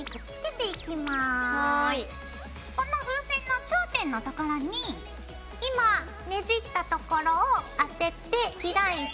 この風船の頂点のところに今ねじったところを当てて開いてはさむような感じ。